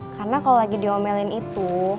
karena kalo lagi diomelin itu